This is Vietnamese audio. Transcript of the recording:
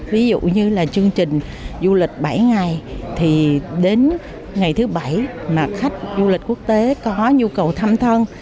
ví dụ như là chương trình du lịch bảy ngày thì đến ngày thứ bảy mà khách du lịch quốc tế có nhu cầu thăm thân